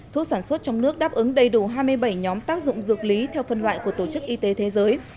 thuốc sản xuất trong nước đáp ứng đầy đủ hai mươi bảy nhóm tác dụng dược lý theo phân loại của tổ chức y tế thế giới